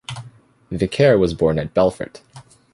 Vicaire was born at Belfort.